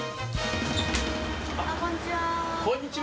こんにちは。